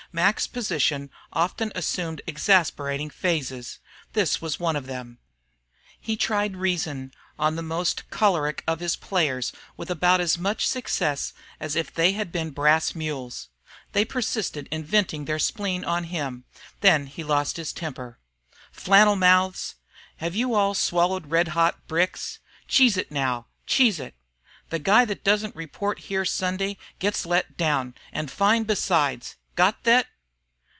Mac's position often assumed exasperating phases. This was one of them. He tried reason on the most choleric of his players with about as much success as if they had been brass mules. They persisted in venting their spleen on him. Then he lost his temper. "Flannel mouths! Hev you all swallowed red hot bricks? Cheese it now, cheese it! The guy thet doesn't report here Sunday gets let down, an' fined besides. Got thet?"